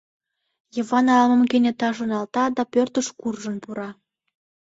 Йыван ала-мом кенета шоналта да пӧртыш куржын пура.